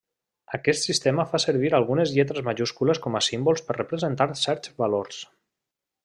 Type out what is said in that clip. Aquest sistema fa servir algunes lletres majúscules com a símbols per representar certs valors.